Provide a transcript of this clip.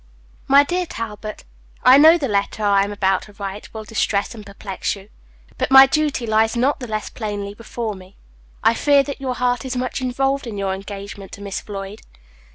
"MY DEAR TALBOT I know the letter I am about to write will distress and perplex you; but my duty lies not the less plainly before me. I fear that your heart is much involved in your engagement to Miss Floyd."